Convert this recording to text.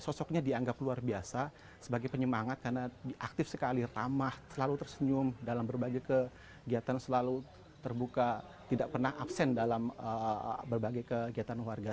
sosoknya dianggap luar biasa sebagai penyemangat karena aktif sekali ramah selalu tersenyum dalam berbagai kegiatan selalu terbuka tidak pernah absen dalam berbagai kegiatan warga